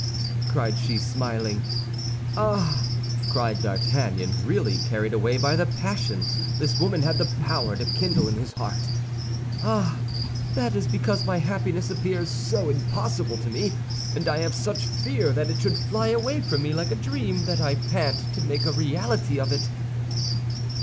cried she, smiling. "Ah," cried D'Artagnan, really carried away by the passion this woman had the power to kindle in his heart, "ah, that is because my happiness appears so impossible to me; and I have such fear that it should fly away from me like a dream that I pant to make a reality of it."